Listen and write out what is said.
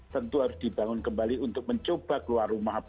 tentu harus dibangun kembali untuk mencoba keluar rumah